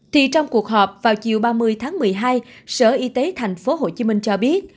thì trong cuộc họp vào chiều ba mươi tháng một mươi hai sở y tế thành phố hồ chí minh cho biết